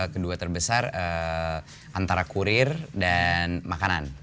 kedua terbesar antara kurir dan makanan